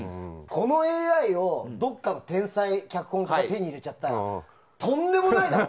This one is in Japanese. このＡＩをどこかの天才脚本家が手に入れちゃったらとんでもないなと。